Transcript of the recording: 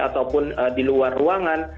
ataupun di luar ruangan